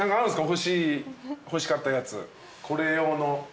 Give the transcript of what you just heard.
欲しかったやつこれ用の。